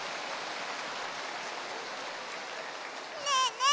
ねえねえ